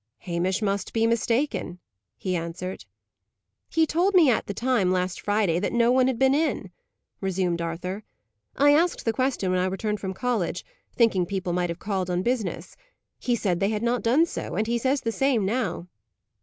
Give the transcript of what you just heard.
"Hamish must be mistaken," he answered. "He told me at the time, last Friday, that no one had been in," resumed Arthur. "I asked the question when I returned from college, thinking people might have called on business. He said they had not done so; and he says the same now."